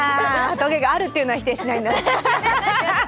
トゲがあるっていうのは、否定しないんだ。